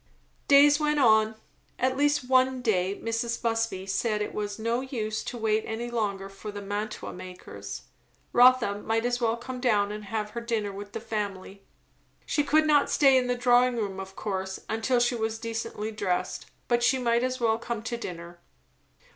Days went on. At last one day Mrs. Busby said it was no use to wait any longer for the mantua makers; Rotha might as well come down and have her dinner with the family. She could not stay in the drawing room of course, until she was decently dressed; but she might as well come to dinner.